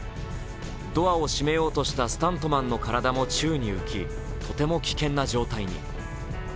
ドアを閉めようとしたスタントマンの体も宙に浮き、とても危険な状態に。